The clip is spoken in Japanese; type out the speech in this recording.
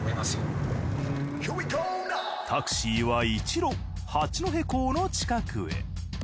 タクシーは一路八戸港の近くへ。